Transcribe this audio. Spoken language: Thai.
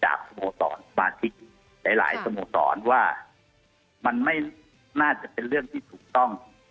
สโมสรสมาชิกหลายสโมสรว่ามันไม่น่าจะเป็นเรื่องที่ถูกต้อง